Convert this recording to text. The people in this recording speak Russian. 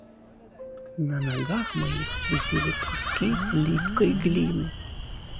На ногах моих висели куски липкой глины